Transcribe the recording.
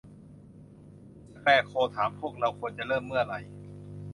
สแคร์โคร์วถามพวกเราควรจะเริ่มเมื่อไหร่